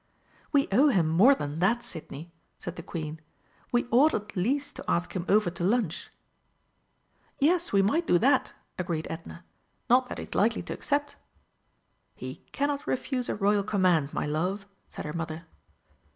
"We owe him more than that, Sidney," said the Queen; "we ought at least to ask him over to lunch." "Yes, we might do that," agreed Edna; "not that he's likely to accept." "He cannot refuse a Royal command, my love," said her mother.